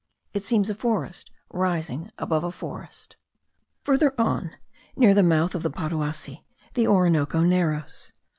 It seems a forest rising above a forest. Further on, near the mouth of the Paruasi, the Orinoco narrows.